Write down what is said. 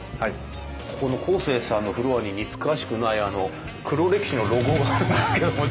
ここのコーセーさんのフロアに似つかわしくない黒歴史のロゴがありますけども。